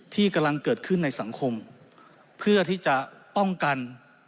กำลังเกิดขึ้นในสังคมเพื่อที่จะป้องกัน